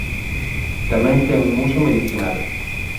Tamén ten un uso medicinal.